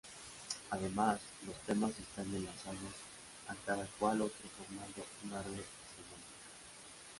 Además, los temas están enlazados a cada cual otro formando una red semántica.